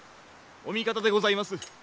お味方でございます。